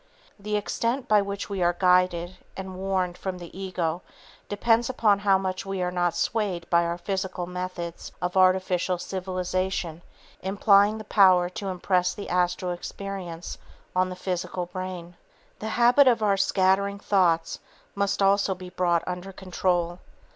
The extent by which we are guided and warned from the ego depends upon how much we are not swayed by our physical methods of artificial civilization implying the power to impress the astral experience on the physical brain. The habit of our scattering thoughts must also be brought under control.